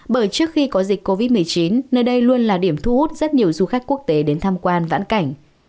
bởi trước khi có dịch covid một mươi chín nơi đây luôn là điểm thu hút rất nhiều du khách quốc tế đến tham quan vãn cảnh